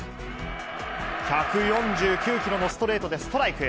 １４９キロのストレートでストライク。